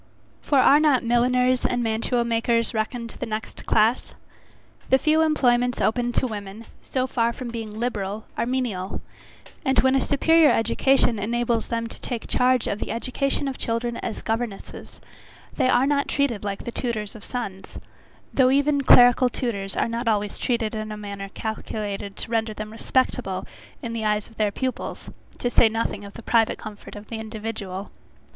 For are not milliners and mantuamakers reckoned the next class? The few employments open to women, so far from being liberal, are menial; and when a superior education enables them to take charge of the education of children as governesses, they are not treated like the tutors of sons, though even clerical tutors are not always treated in a manner calculated to render them respectable in the eyes of their pupils, to say nothing of the private comfort of the individual.